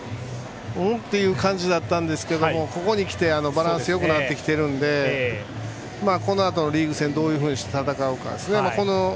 ん？という感じだったんですけどここに来てバランスがよくなってきているのでこのあとのリーグ戦どういうふうに戦うか。